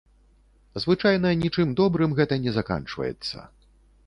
Звычайна нічым добрым гэта не заканчваецца.